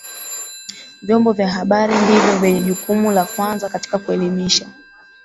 vyombo vya habari ndivyo vyenye jukumu la kwanza katika kuelimisha